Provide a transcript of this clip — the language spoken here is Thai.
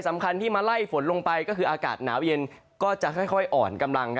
สำคัญที่มาไล่ฝนลงไปก็คืออากาศหนาวเย็นก็จะค่อยอ่อนกำลัง